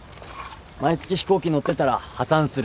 毎月飛行機乗ってたら破産する。